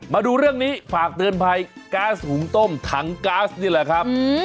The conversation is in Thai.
มาดูเรื่องนี้ฝากเตือนภัยก๊าซหุงต้มถังก๊าซนี่แหละครับ